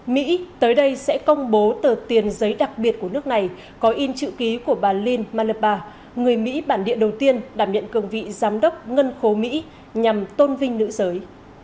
mỹ tới đây sẽ công bố tờ tiền giấy đặc biệt của nước này có in chữ ký của bà linh mallaba người mỹ bản địa đầu tiên đảm nhận cương vị giám đốc ngân khố mỹ nhằm tôn vinh nữ giới